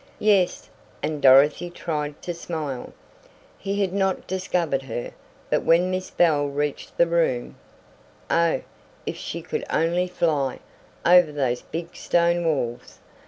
"Yes," and Dorothy tried to smile. He had not discovered her! But when Miss Bell reached the room Oh, if she could only fly over those big stone walls.